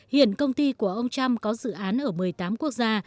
hiện công ty của ông trump có dự án ở một mươi tám quốc gia